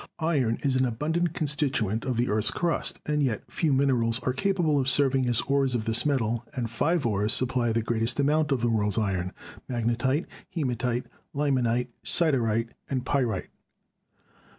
Iron is an abundant constituent of the earth's crust, and yet few minerals are capable of serving as ores of this metal, and five ores supply the greatest amount of the world's iron: Magnetite, Hematite, Limonite, Siderite and Pyrite.